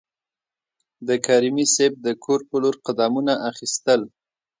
د کریمي صیب د کور په لور قدمونه اخیستل.